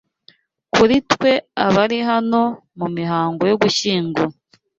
Kuri twe abari hano mu mihango yo gushyingura